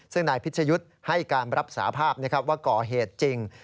ซึ่งนายพิชยุทธ์ให้การรับสาภาพว่าก่อเหตุจริง